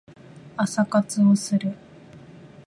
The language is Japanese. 朝活をする